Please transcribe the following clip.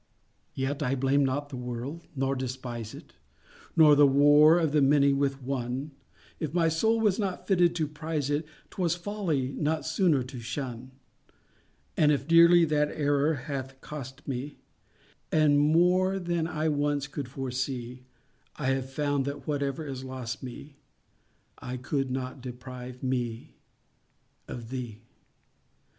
Yet I blame not the world, nor despise it, Nor the war of the many with one— If my soul was not fitted to prize it, 'Twas folly not sooner to shun: And if dearly that error bath cost me, And more than I once could foresee, I have found that whatever it lost me, It could not deprive me of _thee.